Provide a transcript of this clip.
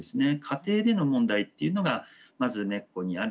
家庭での問題っていうのがまず根っこにあり